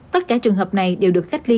tất cả trường hợp này đều được cách ly